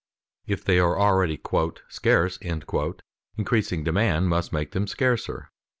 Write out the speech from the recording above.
If they are already "scarce," increasing demand must make them scarcer.